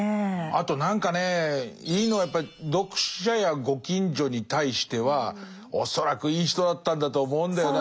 あと何かねいいのはやっぱり読者やご近所に対しては恐らくいい人だったんだと思うんだよな。